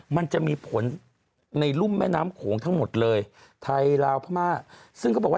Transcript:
มันจะมีผลในรุ่มแม่น้ำโขงทั้งหมดเลยไทยลาวพม่าซึ่งเขาบอกว่า